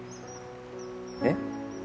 えっ？